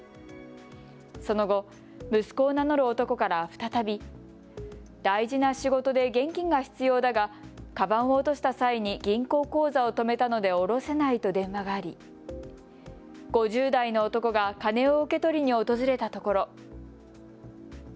その後、息子を名乗る男から再び大事な仕事で現金が必要だがかばんを落とした際に銀行口座を止めたので下ろせないと電話があり、５０代の男が金を受け取りに訪れたところ。